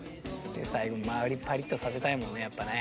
最後に周りパリッとさせたいもんねやっぱね。